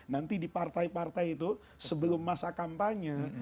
nanti di partai partai itu sebelum masa kampanye